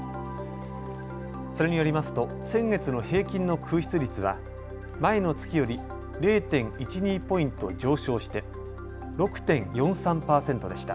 それによりますと先月の平均の空室率は前の月より０．１２ポイント上昇して６．４３％でした。